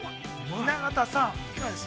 雛形さん、いかがです？